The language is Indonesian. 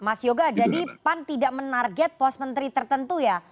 mas yoga jadi pan tidak menarget pos menteri tertentu ya